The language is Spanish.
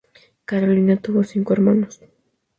Carolina tuvo cinco hermanos.